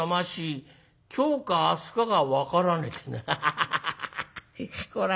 ハハハハハこら